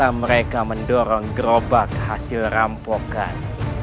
maksudnya mereka harus mendorong gerobak hasil rampokan